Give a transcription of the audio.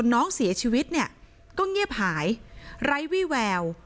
น้องเสียชีวิตเนี่ยก็เงียบหายไร้วี่แวว